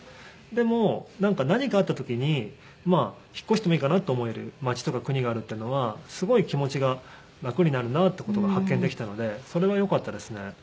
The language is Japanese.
でも何かあった時に引っ越してもいいかなと思える街とか国があるっていうのはすごい気持ちが楽になるなっていう事が発見できたのでそれはよかったですね。